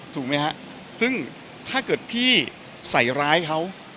ถูกไหมฮะซึ่งถ้าเกิดพี่ใส่ร้ายเขา